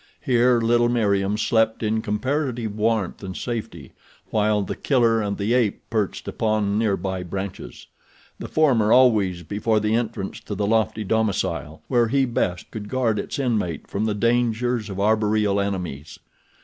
Here little Meriem slept in comparative warmth and safety, while The Killer and the ape perched upon near by branches, the former always before the entrance to the lofty domicile, where he best could guard its inmate from the dangers of arboreal enemies.